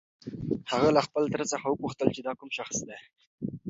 هغه له خپل تره څخه وپوښتل چې دا کوم شخص دی؟